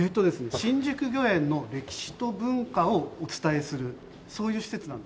新宿御苑の歴史と文化をお伝えするそういう施設なんです。